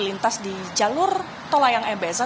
lintas di jalur tolayang mbz